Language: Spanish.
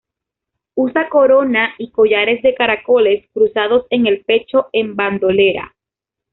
Usa corona y collares de caracoles cruzados en el pecho en bandolera.